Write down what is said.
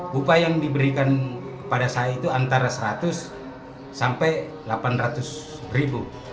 bupa yang diberikan kepada saya itu antara seratus sampai delapan ratus ribu